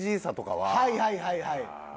はいはいはいはい。